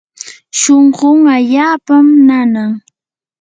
shunqun allaapam nanan.